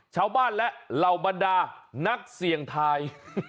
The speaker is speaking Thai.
ชาวบ้านและเหล่าบรรดานักเสี่ยงทาย